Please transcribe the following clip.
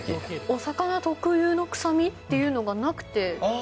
お魚特有の臭みっていうのがなくて。